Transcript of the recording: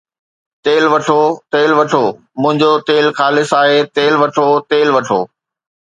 تيل وٺو، تيل وٺو، منهنجو تيل خالص آهي، تيل وٺو، تيل وٺو